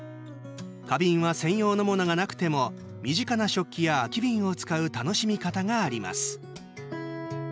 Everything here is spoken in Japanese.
花瓶は専用のものがなくても身近な食器や空き瓶を使う楽しみ方があります。